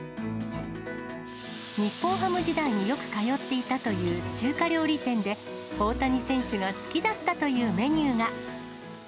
日本ハム時代によく通っていたという中華料理店で、大谷選手が好きだったというメニューが。